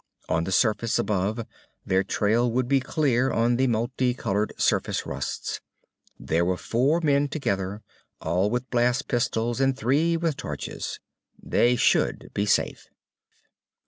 On the surface, above, their trail would be clear on the multi colored surface rusts. There were four men together, all with blast pistols and three with torches. They should be safe.